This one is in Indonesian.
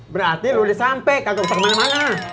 berarti lo udah sampe kagak bisa kemana mana